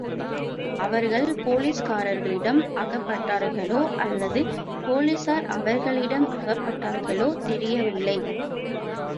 அவர்கள் போலீஸ்காரர்களிடம் அகப்பட்டார்களோ அல்லது போலீசார் அவர்களிடம் அகப்பட்டார்களோ தெரியவில்லை.